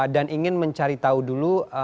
dan ingin mencari tahu dulu